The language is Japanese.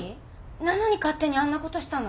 なのに勝手にあんなことしたの？